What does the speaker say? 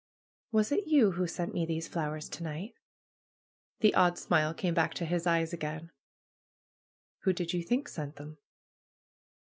^^Was it you who sent me these flowers to night?" The odd smile came hack to his eyes again. ''Who did you think sent them?"